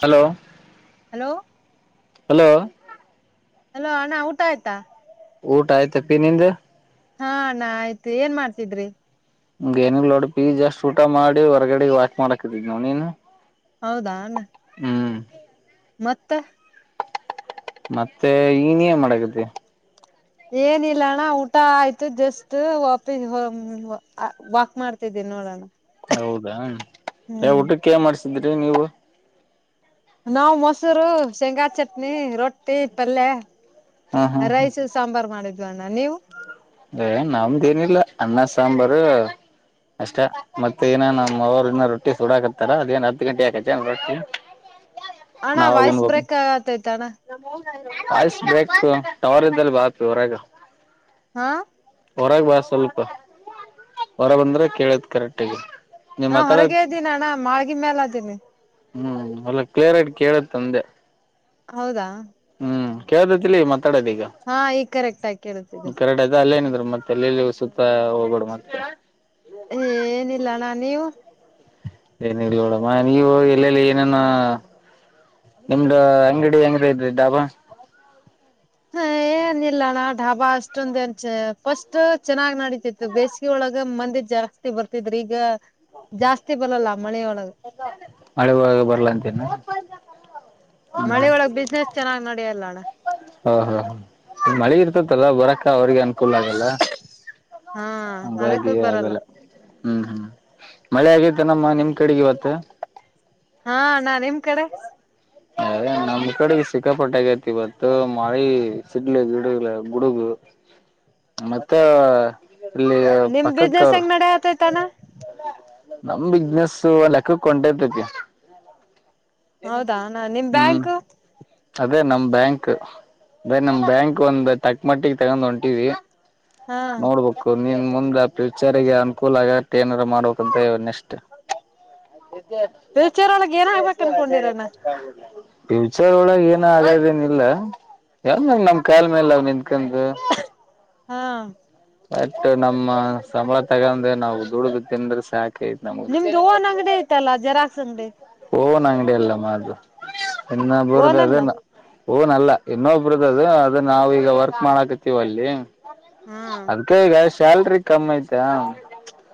Hello hello hello hello ಅಣ್ಣ ಊಟ ಆಯ್ತಾ ಊಟ ಆಯ್ತಪ್ಪಿ ನಿಂದ. ಹಾ ಅಣ ಆಯ್ತು ಏನ್ ಮಾಡ್ತಿದ್ರಿ. ಹ ಎನಿಲ್ ನೋಡ್ ಪಿ ಜಸ್ಟ್ ಊಟ ಮಾಡಿ ಹೊರ್ಗಡೆ ವಾಕ್ ಮಾಡಕಿದಿ ನೋಡ್ ನೀನು. ಹೌದಾ ಅಣ್ಣ ಹ್ಮ್ ಮತ್ತ ಮತ್ತೆ ನಿನೇನ್ ಮಾದಕತ್ತಿ ಏನಿಲ್ಲ ಅಣ್ಣ ಊಟ ಆಯ್ತು ಜಸ್ಟ್ ವಪ ವ ಹ ವಾಕ್ ಮಾಡ್ತಿದೀನಿ. ನ್ನೋಡಣ ಹೌದಾ ಊಟಕ್ಕೆನ್ ಮಾಡ್ಸಿದ್ರಿ ನೀವು. ನಾವ್ ಮೊಸರು ಶೇಂಗಾ ಚಟ್ನಿ ರೊಟ್ಟಿ ಪಲ್ಲೆ ಹಾ ಹಾ ಹಾ ರೈಸ್ ಸಾಂಬಾರ್ಮಾಡಿದ್ವ ಅಣ್ಣ ನೀವು ಏ ನಮ್ದ ಏನಿಲ್ಲ ಅನ್ನ ಸಾಂಬರ ಅಷ್ಟ ಮತ್ತೆ ಏನ ನ್ ಅವರು ಇನ್ನ ರೊಟ್ಟಿ ಸುಡಾಕತ್ತಾರ ಅದೇನ್ ಹತ್ತು ಗಂಟೆ ಆಕೈತೇ ರೊಟ್ಟಿ ಅಣ್ಣ ವಾಯ್ಸ್ ಬ್ರೇಕ್ ಆಗತೈತ ಅಣ ಕಾಯಿಸಬೇಕು ಟವರ್ ಇದ್ದಲ್ಲಿ ಬಾಪ್ಪಿ ಹೊರಗ. ಹಾ ಹೊರಗೆ ಬಾ ಸ್ವಲ್ಪ ಹೊರ ಬಂದ್ರೆ ಕೇಳತ್ ಕರೆಕ್ಟಗಿ. ನೀ ನಾ ಮಾತಾಡಕ್ ಹೊರಗೆ ಇದ್ದೀನ ಅಣ್ಣ ಮಾಲ್ಗಿ ಮೈಲ್ ಇದೀನಿ. ಹ್ಮ್ ಎಲ್ಲ ಕ್ಲಿಯರ್ಟ್ ಕೇಳತ್ ಅಂದೆ. ಹೌದಾ ಹ್ಮ್ ಕೇಳ್ದತಿ ಮಾತಾಡೋದು ಈಗ ಹಾ ಈಗ ಕರೆಕ್ಟ್ ಆಗಿ ಕೇಳುತ್ತಿದೆ ಕೆರಡತ ಅಲ್ಲೇನ. ಮತ್ತೆ ಎಲ್ಲಿಲ್ಲಿ ಸುತ್ತ ಹೋಗೋಡು ಮತ್ತೆ. ಏ ಏನಿಲ್ಲ ಅಣ್ಣ ನೀವು. ಏನ್ ಇೋಡಮ್ಮ ನೀ ಎಲ್ಲೆಲ್ಲಿ ಏನೇನ. ನಿಮ್ದ ಅಂಗಡಿ ಹೆಂಗ ಇದ್ರಿ ಡಾಬಾ. ಹ ಏನ್ ಇಿಲ್ಲಣ್ಣ ಡಾಬಾ ಅಷ್ಟೊಂದ ನ್ಚ ಫಸ್ಟ್ ಚೆನ್ನಾಗ್ ನಡೀತಿತ್ತು ಬೇಸಿಗೆ ಒಳಗ. ಇಾಗ ಮಂದಿ ಜಾಸ್ತಿ ಬರ್ತಿದ್ರ ಈಗ ಜಾಸ್ತಿ ಬರಲ್ಲ ಮಳೆಯ ಒಳಗ. ಮಳೆ ಬಾಗ ಬರ್ಲಾ ಅಂತೇನ. ಹ್ಮ್ ಮಳೆೊಳಗ್ ಬಿಸ್ನೆಸ್ ಚೆನ್ನಾಗ್ ನಡಿಯಲ್ಲ ಅಣ್ಣ. ಹಓ ಹ ಹ ಮಳೆ ಇರ್ತತಲ್ಲ ಬರಕ್ಕ ಅವ್ರಿಗೆ ಅನುಕೂಲ ಆಗಲ್ಲ. ಹಾ ಹಂಗಾಗ ಅದಕ್ಕೂ ಬರಲ್ಲ ಆಗಲ್ಲ ಹ್ಮ್ ಹ್ಮ್ ಮಳೆ ಆಗೇತನಮ್ಮ ನಿಮ್ ಕಡೆಗೆ ಇವತ್ತ. ಹಾ ನಾ ನಿಮ್ ಕಡೆ. ಅ ನಮ್ ಕಡೆಗೆ ಸಿಕ್ಕಾಪಟ್ಟಗೈತಿ ಇವತ್ತು ಮಳಿ ಸಿಡ್ಲಿ ಗಿಡಲ್ಲ ಗುಡುಗು. ಮತ್ತೆ ಇಲ್ಲಿ ನಿಮ್ ಬಿಸ್ನೆಸ್ ಪಕ್ಕತದೆ. ಹೆಂಗ್ ನಡ ಆತೈತಣ್ಣ ನಮ್ ಬಿಸ್ನೆಸ್ ಲೆಕ್ಕಕ್ ಕೊಂಟತಕ್ಕೆ. ಹೌದಾ ಅಣ್ಣ ನಿಮ್ ಬ್ಯಾಂಕ್. ಅದೇ ನಮ್ ಬ್ಯಾಂಕ್ ಅದೇ ನಮ ಬ್ಯಾಂಕ್ ಒಂದ್ ತಕ್ ಮಟ್ಟಿಗೆ ತಗೊಂಡ್ ಹೊಂಟವಿ. ಹಾ ನೋಡ್ಬೇಕು. ನೀನ್ ಮುಂದೆ ಫ್ಯೂಚರ್ಗೆ ಅನುಕೂಲ ಆಗೆ ಏನಾದಾರ ಮಾಡ್ಬೇಕಂತ ಎಷ್ಟ. ಫ್ಯೂಚರ್ ಒಳಗ್ ಏನ ೇ ಆಗ್ಬೇಕಕ್ ಇದೇ ಅನ್ಕೊಂಡಿರಣ್ಣ ಫ್ಯೂಚರ್ ಒಳಗ ಏನು ಆಗದೇನ ಇಿಲ್ಲ. ಯಾವ ಮ್ ನಮ ಕಾಯಾಲ ಮೇಲ್ ಅವ ನಿಂತ್ಕಂದು. ಹಾ ಬಟ್ ನಮ್ಮ ಸಂಬಳ ತಗಂದೆ ನಾವು ದುಡು್ದ ತಿಿಂದ್ರ ಸಾಕ. ನ ನಿಮ್ದು ಓನ್ ಅಂಗಡಿ ಐತಲ್ಲ ಜೆರಾಕ್ಸ್ ಅಂಗಡಿ ಓ [unintelligible] ಅಂಗಡಿ ಎಲ್ಲ ಮಾಡು ಇನ್ನ ಬರುದ ಓನಲ್ಲ ಅದೇನ. ಹೂನಲ್ಲ ಇನ್ನೊಬ್ಬರುದ ಅದು ಅದ ನಾವ ಈಗ ವರ್ಕ್ ಮಾಡಾಕತಿೀವ ಅಲ್ಲಿ. ಹಾ ಅದ್ಕ ಈಗ ಶ್ಯಲ್ರಿ ಕಮ್ಮಿ ಐತ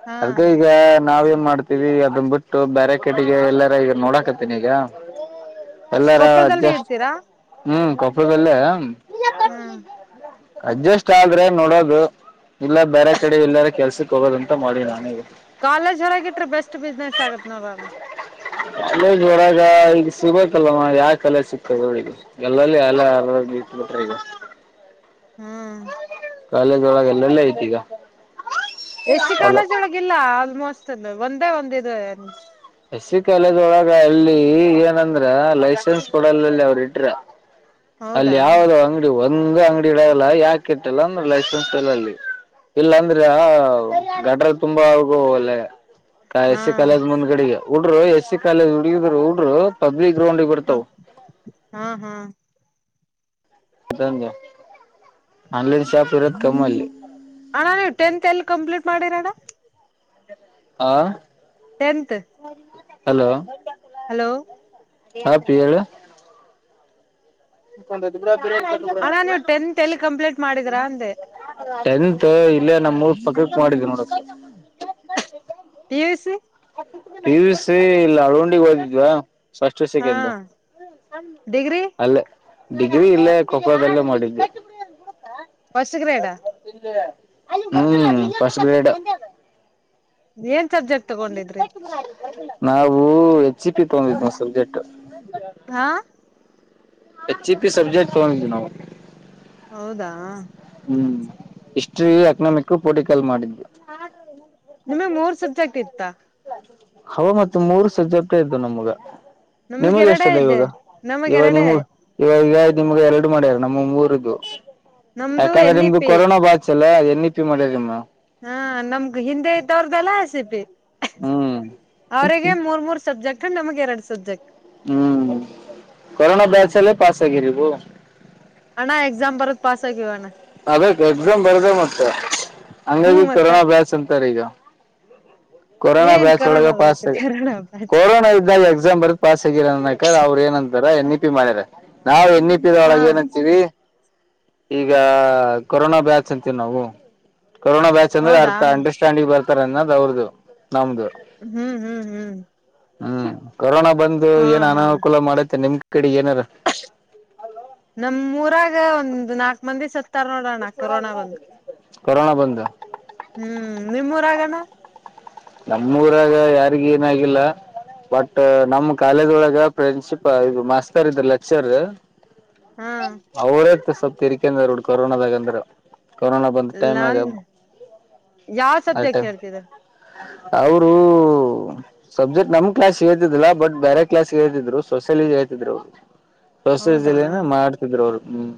ಹಾ ಅದ್ಕ ಈಗ. ನಾವ ಏನ್ ಮಾಡ್ತೀವಿ ಅದನ್ ಬಿಟ್ಟು ಬರೆ ಕಟಿಗೆ ಎಲ್ಲಾರ ಈಗ ನೋಡಾಕತ್ತಿನಿ ಈಗ. ಎಲ್ಲಾರ ಕೊಪ್ಪಳದಲ್ಲಿ ಅಡ್ಜಸ್ಟ್ ಇಡ್ತೀರಾ ಹ್ಮ್ ಕೊಪ್ಪಳದಲ್ಲೇ. ಹ್ಮ್ ಅಡ್ಜಸ್ಟ್ ಆದ್ರೆ ನೋಡೋದು ಇಲ್ಲ ಬೇರೆ ಕಡೆ ಎಲ್ಲಾರ ಕೆಲ್ಸಕ್ ಹೋಗೋದಂತ ಮಾಡಿ ನಾನೀಗ. ಕಾಲೇಜ್ ಹೊರಗಟ್ರ ಬೆಸ್ಟ್ ಬಿಸ್ನೆಸ್ ಆಗತ್ ನೋಡೋ ಅಣ್ಣ. ಕಾಲೇಜ್ ಒರಗ ಈಗ ಸಿಗೋತ್ತಲ್ಲಮ್ಮ ಯಾಕ ಕಾಲೇಜ್ ಸಿಗ್ತದೆ ಹೋಳಿಗೆ ಎಲ್ಲಲ್ಲಿ ಅಲೆ. ಬಿಿಟ್ರೆ ಈಗ. ಹ್ಮ್ ಕಾಲಜೊಳಗೆ ಎಲ್ಲೆಲ್ಲ ಐತಿ ಈಗ. ಎಸ್ಿ ಅಲ್ಲ ಕಾಲಜೊಳಗಿಲ್ಲ ಆಲ್ಮೋಸ್ಟ್ ಒಂದೇ ಒಂದ್ ಇದೆ ಅಲ್ಲೇ. ಎಸ್ಸ ಕಾಲೇದ್ೊಳಗ ಅಲ್ಲಿ ಏನಂದ್ರ ಲೈಸೆನ್ಸ್ ಕೊಡಲ್ಲಲ್ಲಿ ಅವ್ರ ಇಟ್ರ. ಅಲ್ಲಿ ಹೌದಾ ಯಾವದುೋ ಅಂಗಡಿ ಹ ಹಂಗ ಅಂಗಡಿ ಇಡಲ್ಲ ಯಾಕೆ ಇಟ್ಟಲ್ಲ ಅಂದ್ರ ಲೈಸೆನ್ಸ್ ಎಲ್ಲ ಅಲ್ಲಿ. ಇಲ್ಲ ಅಂದ್ರ ಗಟ್ರ ತುಂಬ ಆಗು ಅಲ್ಲ. ಹಾ ಎಸ್ ಸಿ ಕಾಲೇಜ್ ಮುಂದ್ಗಡಿಗೆ ಹಡ್ರು ಎಸ್ ಸಿ ಕಾಲೇಜ್ ಹುಗಿದ್ರು ಉಡರು ಪಬ್ಲಿಕ್. ಗ್ರೌಂಡ್ಗೆ ಹ ಬರ್ತಾವ ಹಾ ಹಾ ಜ ಆನ್ಲೈನ್ ಶಾಪ್ ಇರೋದ ಕಮ್ಮಲ್ಲಿ. ಅಣ್ಣ ನೀವು ಟೆಂತ್ ಎಲ್ಲಿ ಕಂಪ್ಲೀಟ್ ಮಾಡಿರ ಅಣ. ಹ ಟೆಂತ್ ಹಲೋ ಹಲೋ ಹಾ ಪಿಯಳ ಂದುದ ಗೂರ ಗ ಅಣ್ಣ ನೀವು ಟೆಂತ್ ಎಲ್ಲಿ ಕಂಪ್ಲೀಟ್ ಮಾಡಿದ್ರಾ ಹ್ಮ ಅಂದೆ ಟೆಂತ್ ಇಲ್ಲೇ ನಮ್ಮ್ರ್ ಪಕ್ಕಕ್ಕೆ ಮಾಡಿದೀಿ ನೋಡ ಪ ಸಿ ಿವ ಸಿ ಇಲ್ಲ ಅಳ್ಂಡಿಗೆ ಹಓದಿದ್ವಾ ಫಸ್ು ಹಾ ಸೆಕೆಂಡ ಡಿಗ್ರಿ ಅಲ್ಲೇ ಡಿಗ್ರಿ ಇಲ್ಲೇ ಕೊಕಳದಲ್ಲೇ ಮಾಡಿದ್ವಿ ಹೊಸ್ ಗ್ರೇಡಾ ಹ್ಮ್ ಫಸ್ಟ್ ಗ್ರೇಡ್ ಏನ್ ಸಬ್ಜೆಕ್ಟ್ ತಗೊಂಡಿದ್ರಿ ನಾವು ಹೆಚ್ ಇ ಪಿ ತಗಂದಿದ್ವಿ ಸಬ್ಜೆಕ್ಟ್ ಹಾ ಎಚ್ಇ ಪಿ ಸಬ್ಜೆಕ್ಟ್ ತೋ ನ ಹೌದಾ ಹ್ಮ ಇಷ್ಟ್ರಿ ಅಕನಾಮಿಕ್ ಪೋಟಿಕಲ್ ಮಾಡಿದ್ದು ನಿಮಗ್ ಮೂರ್ ಸಬ್ಜೆಕ್ಟ್ ಇತ್ತ ಹ ಮ ಮೂರು ಸ ಜೊಟ್ಟ ಇದ್ದು ನಮ್ಗ ನಮ್ಗೆ ನಿಮಗೆ ಎಷ್ಟ ಎರಡೇ ಅಲ್ಲ ಇದ್ದೆ ಇವಾಗ ನಮಗ್ ಇವಾಗ ನಿಮ ಎರಡೆ ಇವಾಗ್ ನಿಮ್ಗೆ ಎರಡು ಮ್ಯಾರ ನಮ್ಮ ಮೂರದು ನಮ್ದು ಯಾಕಂದ್ರೆ ಎನ್ ಇ ನಿಮ್ದು ಪಿ ಕೊರೋನಾ ಬಾಸಲ್ಲ ತಿ ಮಾಡ್ಯಮ್ಮ ಹಾ ನಮ್ಗ ಹಿಂದೆ ಇದ್ದವ್ರ್ದಲ್ಲ ಸಿಬಿ ಹ್ಮ್ ಅವರಿಗೆ ಮೂರ್ ಮೂರ್ ಸಬ್ಜೆಕ್ಟ್ ನಮಗೆ ಎರಡು ಸಬ್ಜೆಕ್ಟ್ ಹ್ಮ್ ಕೊರೋನಾ ಬ್ಯಾಚ್ಚ್ಲ್ಲ ಪಸ್ ಆಗಿರು ನ ಎಕ್ಸಾಮ ಬತ ಪಾಸ ಕಿಣ್ಣ ಅದ ಎಕ್ಸಾಮ್ ಬರದ ಮತ್ತೆ ಹ್ಮ್ ಹಂಗಾಗಿ ಮತ್ತ ಕೊರೋನಾ ಬ್ಯಾಚ್ ಅಂತಾರ ಈಗ ಕೊರೋನಾ ಏನ್ ಬ್ಯಾಚ್ ಒಳಗ corona pass batch corona batch corona ಇದ್ದಾಗ ಎಕ್ಸಾಮ್ ಬರದ ಪಾಸ್ ಆಗಿರ ಅನ್ನಕ ಅವ್ರರು ಏನ ಅಂತಾರ ಎನ್ ಇ ಪಿ ಮಾಡಾರ ನಾವವು ಎಣ್ಣಿಪ್ಪಿದ ಹಾ ಒಳಗೆ ಏನಂತೀವಿ ಈಗ ಕೊರೋನಾ ಬ್ಯಾಚ್ ಅಂತೀವಿ ನಾವು ಕೊರೋನಾ ಬ್ಯಾಚ್ ಅಂದ್ರೆ ಹೌದಾ ಅರ್ಥ ಅಣ್ಣ ಅಂಡರ್ಸ್ಟ್ಯಾಂಡಿಂಗ್ ಬರ್ತಾರ ಅನ್ನದದು ಅವ್ರದು ನಮ್ದು ಹ್ಮ್ ಹ್ಮ್ ಹ್ಮ್ ಹ್ಮ್ ಕೊರೋನಾ ಬಂದು ಹಾ ಏನ್ ಹಾ ಅನುಕೂಲ ಮಾಡತ್ತೆ ನಿಮ್ ಕಡೆ ಏನಾರ ನಮ್ಮೂರಾಗ ಒಂದು್ ನಾಲ್ಕ್ ಮಂದಿ ಸತ್ ತ್ತರ್ ನೋಡೋಣ ಕೊರೋನಾ ಬಂದು್ ಕೊೋಣ ಬಂದ ಹ್ಮ್ ನಿಮ್ಮೂರ ಆಗಣ ನಮ್ಮೂರಾಗ ಯಾರಿಗ ಏನಾಗಿಲ್ಲ ಬಟ್ ನಮ್ ಕಾಲೇಜ್ ಒಳಗ ಫ್ರೆಂಡ್ಶಿಪ್ ಇದು ಮಾಸ್ತರ್ ಇದ್ರ ಲೆಕ್ಚರ್ ಹಾ ಅವರೇ ಸ್ವಲ್ಪ ತಿರಿಕಂದ್ರ ಕೊರೋನದಾಗ ಅಂದ್ರೆ ಕೊರೋನಾ ಬಂದು ಟೈಮ ಹಗ ನಾನ್ ಯಾವ್ ಆ ಸಬ್ಜೆಕ್ಟ್ ಹೇಳ್ತಿದ್ರ ಅವರು ಸಬ್ಜೆಕ್ಟ್ ನಮ್ ಕ್ಲಾಸ್ ಹೇಳ್ತಿದ್ಿಲ್ಲ ಬಟ್ ಬೇರೆ ಕ್ಲಾಸ್ ಹೇಳ್ಿದ್ರು ಸೋಷಿಯಲಿ ಹೇಳ್ಿದ್ ಅವ್ರು ಹೌದಾ ಹೊಸದಲ್ಲಿನ ಮಾಡ್ತಿದ್ರು ಅವರು ಹ್ಮ್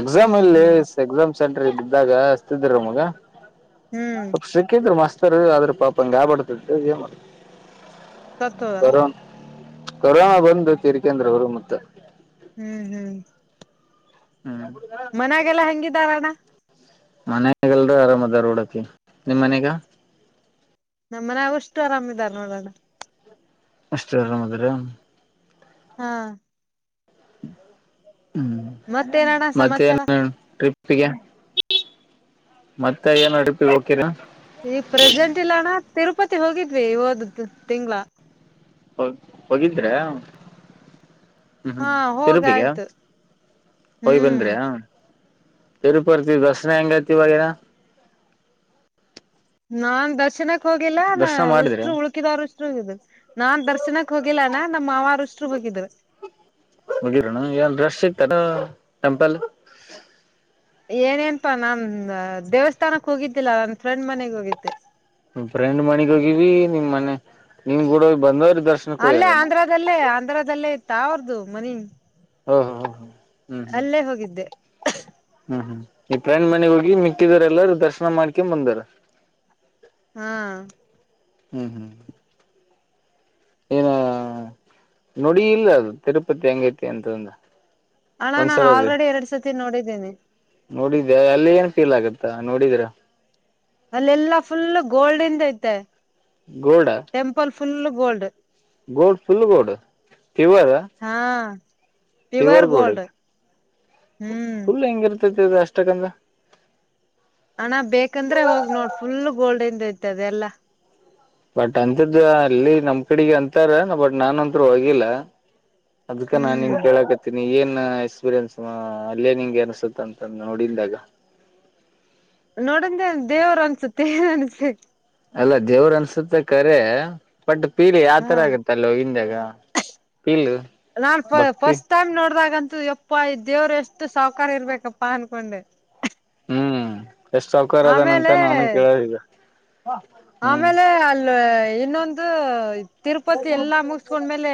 ಎಕ್ಸಾಮ್ ಹ್ಮ್ ಇಲ್ಲಿ ಹ್ಮ್ ಎಕ್ಸಾಮ್ ಸೆಂಟ್ರರ್ ಇದ್ದಿದ್ದಾಗ ಅಷ್ಟತಿದ್ರ ಮಗ ಹ್ಮ್ ಸಿಕ್ಕಿದ್ರು ಮಸ್ತರ್ ಆದದ್ರ ಪಾಪಂಗ ಗಾಯಬಡ್ತ ಏ ಸತ್ದರ ಕೊರೋನಾ ಬಂದು ಕಿರಿಕ ಅಂದ್ರ ಅವರು ಮತ್ತ ಹ್ಮ್ ಹ್ಮ್ ಹ್ಮ್ ಮನ್ಯಾಗೆಲ್ಲಾ ಹೆಂಗಿದ್ದಾರಣ್ಣ ಮನೆಯಾಗಲ್ರೂ ಆರಾಮ್ ಅದ ರೋಡಕಿ ನಿಮ್ಮ್ ಮನಗ ನಮ್ಮ ಮನಾಗಷ್ಟು ಆರಾಮಾರ ನೋಡೋಣ ಎಷ್ಟರ ಅದ್ರ ಹಾ ಹ್ಮ ಮತ್ತೇನಣ್ಣ ಮತ್ತ ಸಮಾಚಾರ ಟ್ರಿಪ್ ಉಡುಪಿಗೆ ಮತ್ತೆ ಏನು ಉಡುಪಿಗೆ ಹೋಗಕಿರಾ ಈ ಪ್ರೆಸೆಂಟ್ ಇಲ್ಲಣ್ಣ ತಿರುಪತಿ ಹೋಗಿದ್ವಿ ಹಓದ ತಿಂಗ್ಗಳ ಹೋಗ ಹೋಗಿದ್ರೆ ಹ್ಮ್ ಹ್ಮ್ ಹಾ ಹೋಗ ತಿರುಪಗ ಆಯ್ತು ಹಯ್ ಹ್ಮ್ ಬಂದ್ರ್ಯಾ ತಿರುಪತಿ ಬಸನ ಎಂಗತಿ ವೇರ ನಾನ್ ದರ್ಶನ ಹೋಗಿಲ್ಲಾ ನ ದರ್ಶನ ಮಾಡಿದ್ರ ಉುರು ಉಳುಕಿದರು ಉುರು ಇ ನಾನ್ ದರ್ಶನಕ್ ಹೋಗಿಲ್ಲಾನ ನಮ್ಮ್ ಮಾವರ ಹುಷರು ಎ ಬಿದ್ದಾರೆ ಮುಗಿರೋಣ ಏನ್ ರಶ್ ಸಿಗ್ತ ಟೆಂಪಲ್ ಏನೇಪಾ ನಾ ದೇವಸ್ಥಾನಕ್ ಹೋಗಿದ್ದಿಲ್ಲಾ ನನ್ ಫ್ರೆಂಡ್ ಮನೆಗ್ ಹೋಗಿದ್ದೆ ಫ್ರೆಂಡ್ ಮಣಿಗ್ೋಗಿವಿ ನಿಮ್ ಮನೆ ನಿನ್ ಕೂಡೋಗ ಬಂದವರ್ ಅಲ್ಲೇ ಆಂಧ್ರದಲ್ಲೇ ಆಂಧ್ರದಲ್ಲೇ ಇತ್ತ ಅವ್ರದುು ಮನಿ ಹ್ಮ ಹಾ ಹಾ ಹಾ ಅಲ್ಲೇ ಹೋಗಿದ್ದೆ ಹ್ಮ್ ಹ್ಮ್ ಈ ಪ್ರೈಂಡ್ ಮನೆಗ್ ಹೋಗಿ ಮಿಕ್ಕಿದರೆ ಎಲ್ಲಾರೂ ದರ್ಶನ ಮಾಡ್ಕೊ್ ಬಂದಾರ ಹಾ ಹ್ಮ್ ಹ್ಮ್ ಏನ ನುಡಿ ಇಲ್ಲ ಅದು ತಿರುಪತಿ ಹೆಂಗೈತಿ ಅಂತಂದ ಅಣ ನಾನ್ ಒಂದ್ಸಲ ಆಲ್ರೆಡಿ ಎರಡ್ ಸರ್ತಿ ನೋಡಿದ್ದೇನಿ ನೋಡಿದ್ಯಾ ಅಲ್ಲಿ ಏನ್ ಫೀಲ್ ಆಗತ್ತಾ ನೋಡಿದ್ರ ಅಲ್ಲೆಲ್ಲಾ ಫುಲ್ ಗೋಲ್ಡನ್ ಐತೆ gold temple full gold gold full gold ಹಾ ಪವರ್ ಪ್ಯೂರ್ ಗೋಡ ಗೋಲ್ಡ್ ಹ್ಮ್ ುಲ್ ಹೆಂಗ ಅಷ್ಟಕಂದ ಹಣ ಬೇಕಂದ್ರೆ ಹೋಗ್ ನೋಡ್ ಫುಲ್ ಗೋಲ್ಡಂದ ಐತದೆ ಎಲ್ಲಾ ಬಟ್ ಅಂಂತದ್ದು ಅಲ್ಲಿ ನಮ್ ಕಡೆಗ್ ಅಂತಾರ ಬಟ್ ನಾನ ಅಂಂತೂ ಹೋಗಿಲ್ಲ ಅದ್ ನಾನ್ ನಿನ್ ಹ್ಮ್ ಕೇಳಕತ್ತೀನಿ ಏನ್ ಎಕ್ಸ್ಪೀರಿಯನ್ಸ್ ಅಲ್ಲೇ ನಿಂಗೆ ಅನ್ಸುತ್ತ ಅಂತ ನೋಡಿದಾಗ ನೋಡಂದ ದೇವ್ರು ಅನ್ಸುತ್ತೆಏ ಅನ್ಸೆ ಅಲ್ಲ ದೇವ್ರ ಅನ್ಸುತ್ತೆ ಕರೆ ಬಟ್ ಪೀಲಿ ಯಾವ ತರ ಆಗತ್ತ ಅಲ್ೋಗಿಂದಾಗ ನಾ ಫಸ್ಟ್ ಟೈಮ್ ನೋಡ್ದಾಗಂತೂ ಎ ಅಪ್ಪಾ ದೇವ್ರು ಎಷ್ಟು ಸೌಕಾರ್ಯ ಇರ್ಬೇಕಪ್ಪಾ ಅನ್ಕೊಂಡೆ ಎಷ್ಟು ಸೌಕ ಅದನಂತ ಆಮೇಲೆ ನಾನು ಕೇಳೋದಗ ಆಮೇಲೆ ಅಲ್ ಇನ್ನೊಂದು ತಿರುಪತಿ ಎಲ್ಲಾ ಮುಗಸ್ಕೊಂಡ್ಮೇಲೆ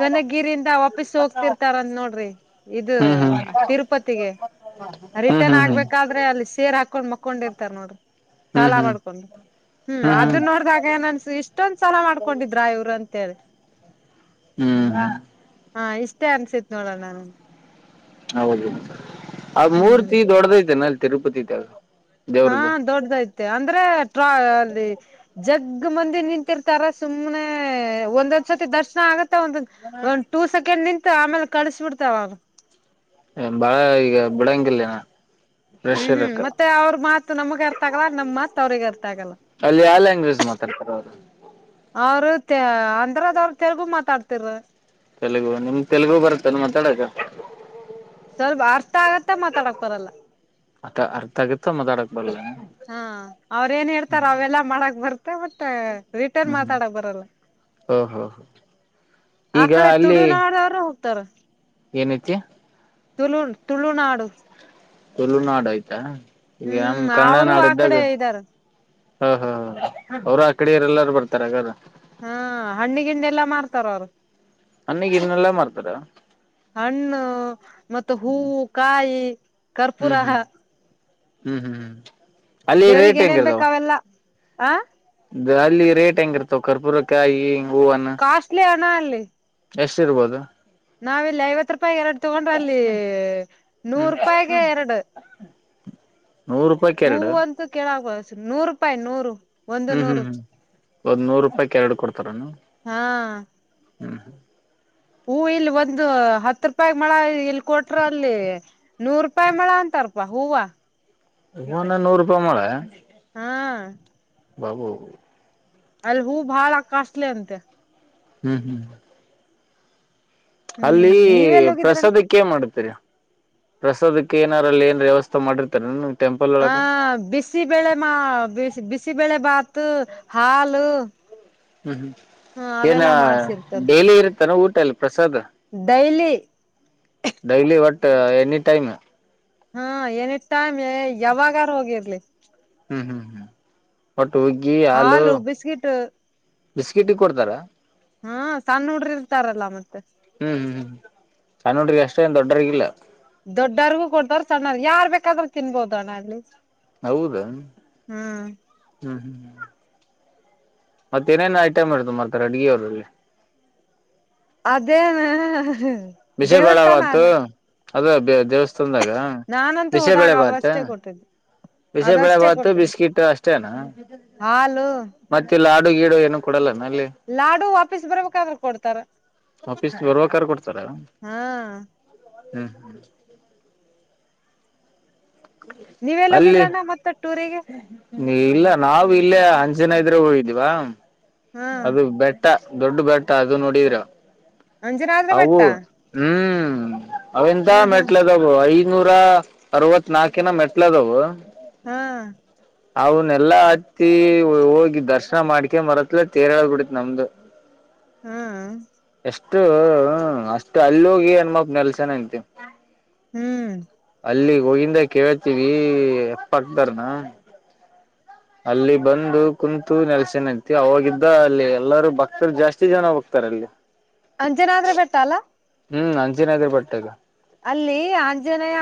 ಕನಗಿರಿಯಿಂದ ವಾಪಸ್ ಹೋಗ್ತಿರ್ತಾರಂದ ನೋಡ್ರಿ ಇದು ಹ್ಮ್ ಹ್ಮ್ ತಿರುಪತಿಗೆ ಹ್ಮ್ ರಿಟರ್ನ್ ಹ್ಮ್ ಹ್ಮ್ ಆಗ್ಬೇಕಾದ್ರೆ ಅಲ್ಲಿ ಸೇರ್ ಹಾಕೊಂಡ್ ಮ ಕೊಂಡಿರ್ತಾರ ನೋಡ್ರಿ ಹ್ಮ್ ಸಾಲಾ ಹ್ಮ್ ಮಾಡ್ಕೊಂಡು ಹ್ಮ್ ಅದನ್ನ ನೋಡ್ದಾಗ ಏನ್ನ್ಸ ಇಷ್ಟೊ ಸಲ ಮಾಡ್ಕೊಂಡಿದ್ರಾ ಇವರು ಅಂತೇಳಿ ಹ್ಮ್ ಹ್ಮ್ ಹಾ ಇಷ್ಟೇ ಅನ್ಸಿತ್ ನೋಡೋಣ ನನ್ ಹೌದು ಆ ಹ್ಮ್ ಮೂರ್ತಿ ದೊಡದೈಐತೆನೆ ಅಲ್ಲಿ ತಿರುಪತಿ ್ದಾಗ ಹಾ ದೊಡ್ಡದಐತೆ ಅಂದ್ರೆ ಟ್ರಾ ಅಲ್ಲಿ ಜಗ್ ಮಂದಿರ್ ನಿಂತಿರ್ತಾರ ಸುಮ್ನೆ ಒಂದೊಂದ್ ಸರ್ತಿ ದರ್ಶನ ಆಗುತ್ತ ಒಂದ ಒಂದ್ ಟೂ ಸೆಕೆಂಡ್ ನಿಂತು ಆಮೇಲೆ ಕಳಸಬಿಡ್ತಾವ ಬಾಳ ಈಗ ಬಿಡಂಗಿಲ್ಲೇನ ಹ್ಮ್ ಹ್ಮ್ ಮತ್ತೆ ಅವ್ರ ಮಾತ್ ನಮಗ ಅರ್ತಾಗಲ್ಲ ನಮ್ ಮಾತ್ ಅವ್ರಗ ಅರ್ತ ಅಲ್ಲಿ ಎಲ್ಲ ಲಾಂಗ್ವೇಜ್ ಮಾತಾಡ ಅವರು ಅಂದ್ರದ ಅವ್ರ ತೆಲುಗು ಮಾತಾಡ್ತಿರ ತೆಲುಗು ನಿಮ ತೆಲುಗು ಬರುತ್ತಲ್ಲ ಮಾತಾಡಕ ಸ್ವಲ್ಪ ಅರ್ಥ ಆಗತ್ತೆ ಮಾತಾಡಕ್ತಾರಲ್ಲ ಅತ್ತ ಅರ್ಥ ಆಗತ್ತ ಮದಾಡಕ್ ಬಲ್ಲ ಹಾ ಅವ್ರ ಏನ್ ಹೇಳ್ತಾರ ಅವೆಲ್ಲಾ ಮಾಡಕ್ ಬರ್ತ್ತೆ ಮತ್ತೆ ರಿಟರ್ನ್ ಮಾತಾಡಕ್ ಬರಲ್ಲ ಹ ಹಾ ಹಾ ಆ ಕಡೆ ತುಡುನಾಡಾರ ಹೋಗ್ತಾರ ಏನಕೆ ತುಳು ತುಳುನಾಡು ತುಳುನಾಡು ಆಯ್ತಾ ಈಗ ನಮ ಹ್ಮ್ ಕನ್ನಡ ಅವರು ನಾಡು ಆ ಇದ್ದಾಗ ಕಡೆ ಇದ್ದಾರ ಹಾ ಹಾ ಹ ಅವರು ಆ ಕಡೆ ಇರೆಲ್ಲಾರು ಬರ್ತಾರಗಾರ ಹಾ ಹಣ್ಣಿ ಗಿಂಡಿ ಎಲ್ಲಾ ಮಾರ್ತಾರ ಅವರು ಅನಗ್ ಇದನ್ನೆಲ್ಲಾ ಮಾಡ್ತಾರ ಹಣ್ಣು ಮತ್ತೆ ಹೂವು ಕಾಯಿ ಕರ್ಪೂರ ಹ್ಮ್ ಹ್ಮ್ ಹ್ಮ್ ಹ್ಮ್ ಅಲ್ಲಿ ರೇಟ್ ದೇವ್ರಿಗೆ ಏನೇನ್ ಬೇಕ ಹೆಂಗಿರ್ದಾವ ಅವೆಲ್ಲ ಹ ಅಲ್ಲಿ ರೇಟ್ ಹೆಂಗ ಇರ್ತವೆ ಕರ್ಪೂರಕಾಯಿ ಹೂವನ್ನ ಕಾಸ್ಟ್ಲಿ ಹಣ ಅಲ್ಲಿ ಎಷ್ಟ ಇರ್ಬೋದು ನಾವಿಲ್ಲಿ ಐವತ್ ರೂಪಾಯ ಎರಡು ತಗೊಂಡ್ರೆ ಅಲ್ಲಿ ನೂರ್ ಹ್ಮ್ ರೂಪಾಯಗೆ ಎರಡು ನೂರು ರೂಪಾಯ್ಕ ಎರಡು ನೂರು ರೂಪಾಯಿ ನೂರು ಒಂದು ಹ್ಮ್ ಹ್ಮ್ ನೂರು ಹ್ಮ್ ಒದ್ ನೂರು ರೂಪಾಯಿಕ್ ಎರಡು ಕೊಡ್ತಾರನು ಹಾ ಹ್ಮ ಹ್ಮ ಹೂ ಇಲ್ಲಿ ಒಂದು ಹತ್ತು ರೂಪಾಯ ಮಳ ಇಲ್ಲಿ ಕೊಟ್ರ ಅಲ್ಲಿ ನೂರ್ ರೂಪಾಯಿ ಮಳ ಅಂತ ರ್ಬ ಹೂವ [unintelligible] ನೂರು ರೂಪಾಯಿ ಮೊಳೆ ಹಾ ಬಾಬೂ ಅಲ್ಲಿ ಹೂ ಭಾಳ ಕಸ್ಲಿ ಅಂತೆ ಹ್ಮ್ ಹ್ಮ್ ಅಲ್ಲಿ ಹ್ಮ್ ನೀವೆಲ್ಲ ಹೋಗಿದ್ರಣ್ಣ ಪ್ರಸಾದಕ್ಕೆೇ ಏನ್ ಮಾಡ್ತೀರಿ ಪ್ರಸಾದಕ್ಕೆ ಏನಾರಲ್ಲಿ ಏನ್ ವ್ಯವಸ್ಥೆ ಮಾಡಿರ್ತಾರೆ ಆ ಬಿಸಿ ಬೆಳೆ ಮಾ ಬಿಸಿ ಬಿಸಿ ಬಿಸಿಬೇಳೆ ಭಾತು ಹಾಲು ಹ್ಮ್ ಹ್ಮ್ ಹ ಏನ ಅವೆಲ್ಲಾ ಮಾಡ್ಸಿರ್ತಾರ ಡೈಲಿ ಇರುತ್ತಾನ ಊಟಲ್ ಪ್ರಸಾದ್ ಡೈಲಿ ಡೈಲಿ ವಟ್ ಎನಿಟೈಮ್ ಹಾ ಏನಿ ಟೈಮ್ ಯಾವಾಗಾರ ಹೋಗಿರ್ಲಿ ಹ್ಮ್ ಹ್ಮ್ ಹ್ಮ್ ಒಟ್ಟು ಹುಗ್ಗಿ ಹಾಲು ಬಿಸ್ಕಿಟ ಕೊಡ್ತಾರ ಹ್ಮ ಸಣ್ಣ ಹುಡರು ಇರ್ತಾರಲ್ಲ ಮತ್ತೆ ಹ್ಮ್ ಹ್ಮ್ ಹ್ಮ್ ಚನ್ನ ನೋಡ್ರಿ ಅಷ್ಟೇ ಏನ್ ದೊಡ್ಡರಿಗಿಲ್ಲಾ ದೊಡ್ಡರ್ಗೂ ಕೊಡ್ತವ್ರರು ಸಣ್ಣ ಯಾರ್ ಬೇಕಾದ್ರರು ತಿನ್ಬೋದು ಅಣ್ಣ ಅಲ್ಲಿ ಹೌದಾ ಹ್ಮ್ ಹ್ಮ್ ಹ್ಮ್್ಮ ಮತ್ತ ಏನೇನ್ ಐಟಮ್ ಇರ್ತ ಮಾಡ್ತಾರೆ ಅಡ್ಗೆ ಅವರಲ್ಲಿ ಅದೇನ ಬಷೇ ದೇವಸ್ಥಾನ ಬೇಡಾವತ್ತು ಅಣ್ಣ ಅದು ದೇವಸ್ ಂದಾಗ ನಾನಂತೂ ಹೋದಾಗ ಬಿಸೆಬಳೆ ಬಾತ ಅವಷ್ಟೇ ಕೊಟ್ಟಿದ್ದು ಬಿಸಿಬೇಳೆ ಅದಷ್ಟೇ ಭಾತು ಕೊಟ್ಟಿದ್ದು ಬಿಸ್ಕಿಟ್ ಅಷ್ಟೇನಾ ಹಾಲು ಮತ್ತೆ ಲಾಡು ಗೀಡು ಏನು ಕೊೂಡಲ್ಲ ಲಾಡು ವಾಪಸ್ ಬರ್ಬೇಕಾದ್ರೆ ಕೊಡ್ತಾರ ಆಫೀಸ್ ಬರುವ ಕಾರ್ ಕೊಡ್ತಾರ ಹಾ ಹ್ಮ್ ನೀ್ ಎಲ್ಲಿೋಗಿದ್ರಣ್ಣ ಮತ್ತೆ ಟೂರಿಗೆ ನೀ ಇಲ್ಲ ನಾವು ಇಲ್ಲೇ ಅಂಜನ ಇದ್ರೆ ಹೋಗಿದ್ವಾ ಹಾ ಅದು ಬೆಟ್ಟ ದೊಡ್ಡ ಬ್ಯಾಟ ಅದು ನೋಡಿದೀರಾ ಅಂಜನಾದ್ರ ಹವು ಬೆಟ್ಟ ಹ್ಮ್ ಹ್ಮ್ ಅವಂತ ಹ್ಮ್ ಹ್ಮ್ ಮೆಟ್ಲದವು ಐನೂರ ಅರವತ್ ನಾಕಿನ ಮೆಟ್ಲದವು ಹಾ ಅವನ್ ಎಲ್ಲಾ ಹತ್ತಿ ಹೋಗಿ ದರ್ಶನ ಮಾಡ್ಕೆ ಮರತ್ಲ ತೇರಳ ಬಿಡತ್ ನಮ್ದು ಹ್ಮ ಹಾ ಅಷ್ಟು ಹ್ಮ ಅಷ್ಟು ಅಲ್ಲೋಗಿ ಅನ್ಮಪ್ ನೆಲ್ಸನ ಅಂತ ಹ್ಮ್ ಅಲ್ಲಿ ಹೋಗಿಂದ ಕೇತೀವಿ ಎಪ್ಪಕ್ದಾರನ ಅಲ್ಲಿ ಬಂದು ಕುಂತು ನೆಲ್ಸೆನ್ಂತ ಅವಾಗಿದ್ದ ಅಲ್ಲಿ ಎಲ್ಲರೂ ಬಕ್ತರ್ ಜಾಸ್ತಿ ಜನ ಹೋಗ್ತಾರಲ್ಲಿ ಇ ಅಂಜನ ಆದ್ರೆ ಬೆಟ್ಟಲ್ಲ ಹ್ಮ್ ಅಂಚಿನದರು ಬಟ್ಟೆಗ ಅಲ್ಲಿ ಆಂಜನಯ